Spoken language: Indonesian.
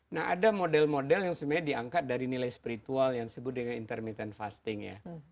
nah ada model model yang sebenarnya diangkat dari nilai spiritual yang disebut dengan intermittent fasting ya